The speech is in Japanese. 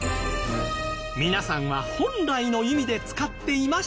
皆さんは本来の意味で使っていましたか？